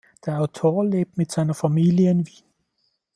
Der Autor lebt mit seiner Familie in Wien.